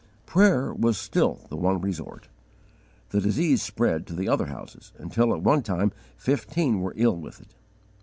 Prayer was still the one resort. The disease spread to the other houses, until at one time fifteen were ill with it.